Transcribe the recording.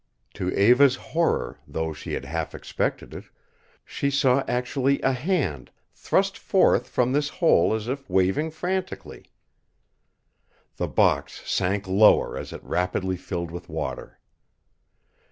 To Eva's horror, though she had half expected it, she saw actually a hand thrust forth from this hole as if waving frantically. The box sank lower as it rapidly filled with water.